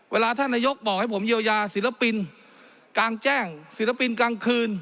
เวลาท่านนายกบอกให้ผมเยียวยาศิลปินกลางแจ้งศิลปินกลางคืน